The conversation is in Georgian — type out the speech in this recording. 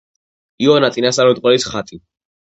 იონა წინასწარმეტყველის ხატი.